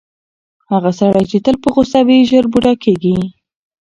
هغه سړی چې تل په غوسه وي، ژر بوډا کیږي.